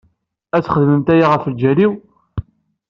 Ad txedmemt aya ɣef lǧal-iw?